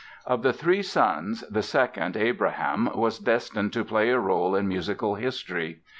Of the three sons the second, Abraham, was destined to play a role in musical history.